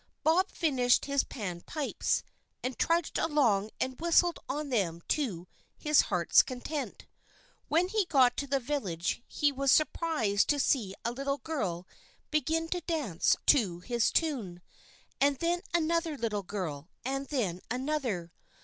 Bob finished his pan pipes, and trudged along and whistled on them to his heart's content. When he got to the village he was surprised to see a little girl begin to dance to his tune, and then another little girl, and then another.